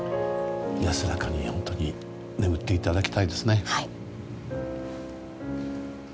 安らかに、本当に眠っていただきたいですね。